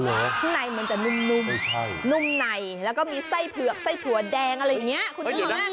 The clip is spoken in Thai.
อ๋อเหรอข้างในมันจะนุ่มนุ่มในแล้วก็มีไส้เผือกไส้ถั่วแดงอะไรอย่างนี้